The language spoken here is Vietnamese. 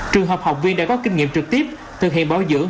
trường hợp học viên đã có kinh nghiệm trực tiếp thực hiện bảo dưỡng